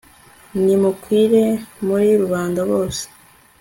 nimukwire muri rubanda bose